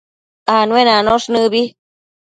Anuenanosh nëbi